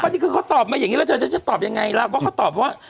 ตอนนี้คือเขาตอบมาอย่างงี้แล้วจะจะจะจะตอบยังไงละเพราะว่าเขาตอบว่า